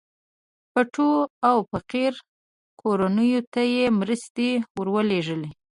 پټو او فقيرو کورنيو ته يې مرستې ورلېږلې.